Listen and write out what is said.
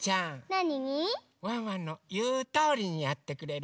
なに？ワンワンのいうとおりにやってくれる？